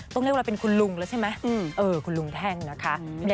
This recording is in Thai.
ต้องเรียกว่าเป็นคุณลุงแล้วใช่มั้ย